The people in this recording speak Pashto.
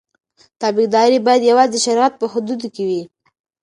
تابعداري باید یوازې د شریعت په حدودو کې وي.